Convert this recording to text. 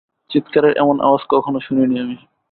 চিৎকারের এমন আওয়াজ কখনও শুনিনি আমি।